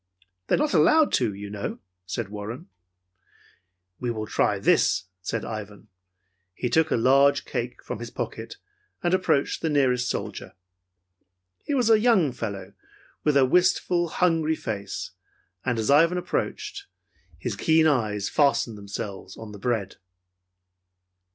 "They are not allowed to, you know," said Warren. "We will try this," said Ivan. He took a large cake from his pocket and approached the nearest soldier. He was a young fellow with a wistful, hungry face, and as Ivan approached, his keen eyes fastened themselves on the bread.